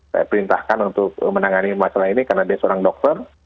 saya perintahkan untuk menangani masalah ini karena dia seorang dokter